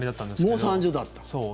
もう３０度あった？